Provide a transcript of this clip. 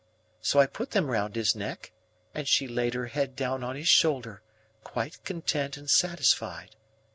So I put them round his neck, and she laid her head down on his shoulder quite content and satisfied.